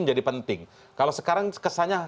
menjadi penting kalau sekarang kesannya